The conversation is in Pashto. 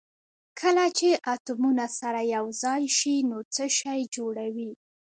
کله چې اتومونه سره یو ځای شي نو څه شی جوړوي